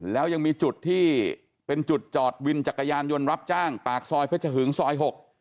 แล้วยังมีจุดที่เป็นจุดจอดวินจักรยานยนต์รับจ้างปากซอยเพชรหึงซอย๖